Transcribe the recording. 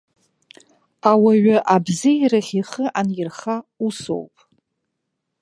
Ауаҩы абзеирахь ихы анирха усоуп.